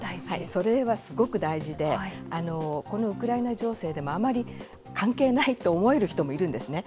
それはすごく大事で、このウクライナ情勢でも、あまり関係ないと思える人もいるんですね。